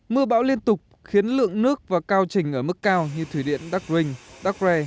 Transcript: mưa bão liên tục khiến lượng nước và cao trình ở mức cao như thủy điện đắc rinh đắc rè